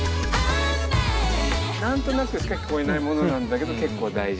何となくしか聴こえないものなんだけど結構大事な。